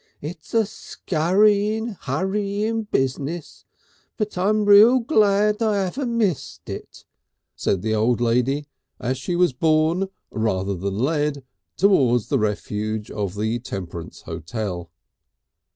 It's a scurryin', 'urryin' business, but I'm real glad I haven't missed it," said the old lady as she was borne rather than led towards the refuge of the Temperance Hotel.